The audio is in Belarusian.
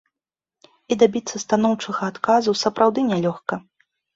І дабіцца станоўчага адказу сапраўды нялёгка.